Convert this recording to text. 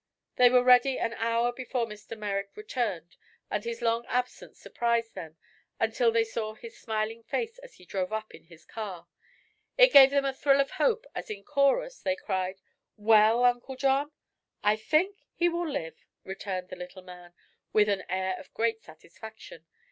They were ready an hour before Mr. Merrick returned, and his long absence surprised them until they saw his smiling face as he drove up in his car. It gave them a thrill of hope as in chorus they cried: "Well Uncle John?" "I think he will live," returned the little man, with an air of great satisfaction.